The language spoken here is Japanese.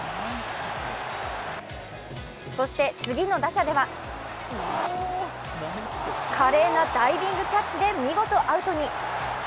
そして次の打者では華麗なダイビングキャッチで見事アウトに。